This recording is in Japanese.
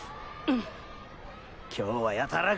うん。